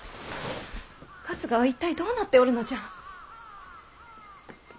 春日は一体どうなっておるのじゃ。